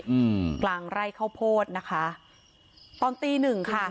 อืมกลางไล่ข้าวโพชนะคะ